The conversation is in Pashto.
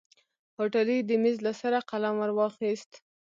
هوټلي د ميز له سره قلم ور واخيست.